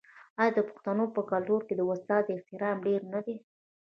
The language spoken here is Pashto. آیا د پښتنو په کلتور کې د استاد احترام ډیر نه دی؟